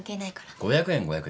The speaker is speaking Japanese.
５００円５００円